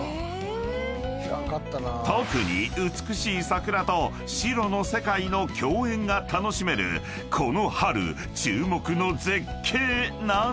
［特に美しい桜と白の世界の共演が楽しめるこの春注目の絶景なのだ］